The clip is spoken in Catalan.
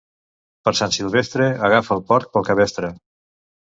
Per Sant Silvestre agarra el porc pel cabestre.